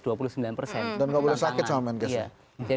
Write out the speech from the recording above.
dan gak boleh sakit sama kemenkesnya